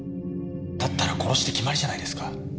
だったら殺しで決まりじゃないですか。